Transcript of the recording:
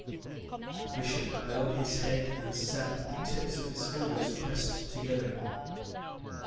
The bishop bowed his head and sat with the tips of his fingers pressed together.